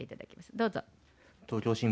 どうぞ。